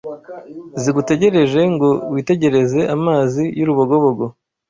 zigutegereje ngo witegereze amazi y’urubogobogo